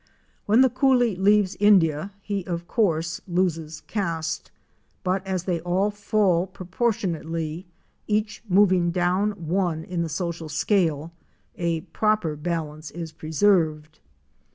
When the coolie leaves India he, of course, loses caste, but as they all fall proportionately, each moving down one in the social scale, a proper balance is preserved.